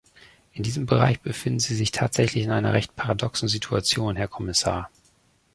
In diesem Bereich befinden Sie sich tatsächlich in einer recht paradoxen Situation, Herr Kommissar.